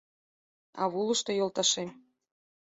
Авулышто йолташем.